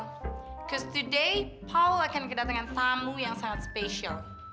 because today paul akan kedatangan tamu yang sangat spesial